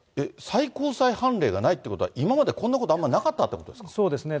最高裁判例がないってことは、今までこんなこと、あんまりなかっそうですね。